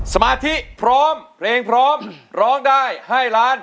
สมาธิพร้อมเพลงพร้อมร้องได้ให้ล้าน